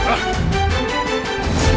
aku akan membunuhmu